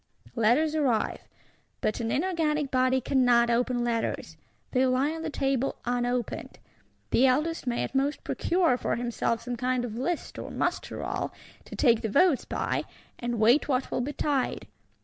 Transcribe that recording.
Letters arrive; but an inorganic body cannot open letters; they lie on the table unopened. The Eldest may at most procure for himself some kind of List or Muster roll, to take the votes by, and wait what will betide.